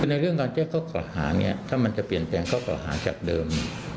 ในเรื่องการแจ้งข้อกล่าวหาเนี่ยถ้ามันจะเปลี่ยนแปลงข้อเก่าหาจากเดิม